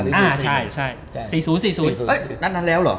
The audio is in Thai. เห้ยนัดนั้นแล้วหรอ